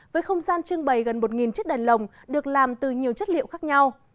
với không gian trưng bày gần một chiếc đèn lồng được làm từ nhiều chất liệu khác nhau